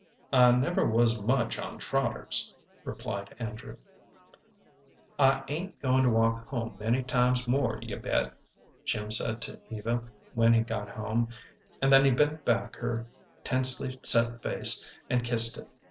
"I never was much on trotters," replied Andrew. "I ain't going to walk home many times more, you bet," Jim said to Eva when he got home, and then he bent back her tensely set face and kissed it.